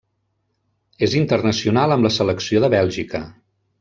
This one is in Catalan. És internacional amb la selecció de Bèlgica.